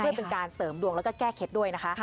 เพื่อเป็นการเสริมดวงแล้วก็แก้เคล็ดด้วยนะคะ